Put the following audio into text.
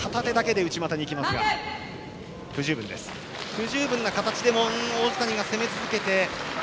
不十分な形でも王子谷が攻め続けて。